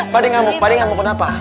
pak di ngamuk pak di ngamuk kenapa